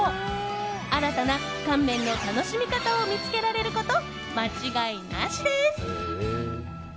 新たな乾麺の楽しみ方を見つけられること間違いなしです。